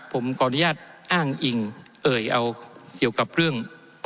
ผมกรณญาติอ้างอิ่งเอ่ยเอาเดียวกับเรื่อง